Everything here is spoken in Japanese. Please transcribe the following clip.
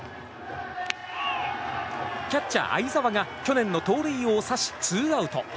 キャッチャー會澤が去年の盗塁王を刺しツーアウト。